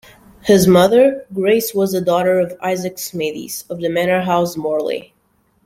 His mother, Grace was the daughter of Isaac Smithies, of The Manor House, Morley.